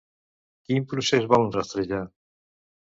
Quin procés volen rastrejar?